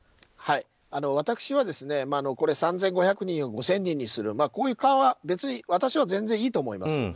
私は３５００人を５０００人にするこういう緩和は私は全然いいと思います。